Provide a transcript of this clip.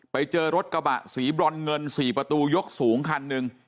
ไปเจอรถกระบะสีบรอนเงิน๔ประตูยกสูงคันหนึ่ง